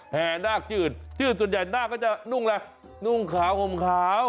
แห่หน้าจืดจืดส่วนใหญ่หน้าก็จะนุ่งแหละนุ่งขาวอมขาว